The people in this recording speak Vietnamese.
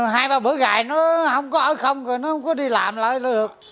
hai ba bữa gài nó không có ở không rồi nó không có đi làm lại nữa được